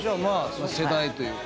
世代というか。